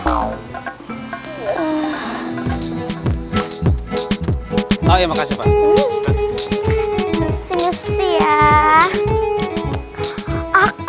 oh ya makasih pak